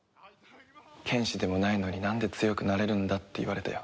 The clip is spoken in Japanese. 剣士でもないのになんで強くなれるんだって言われたよ。